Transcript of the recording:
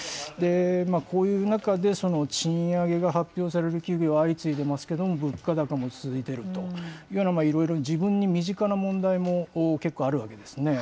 こういう中で、賃上げが発表される企業、相次いでますけれども、物価高も続いているというような、いろいろ、自分に身近な問題も結構あるわけですね。